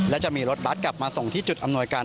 และจะมีรถบัตรกลับมาส่งที่จุดอำนวยการ